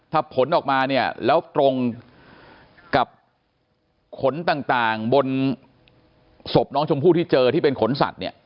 ถ้าผลออกมาเนี่ยแล้วตรงกับขนต่างบนศพน้องชมพู่ที่เจอที่เป็นขนสัตว์เนี่ย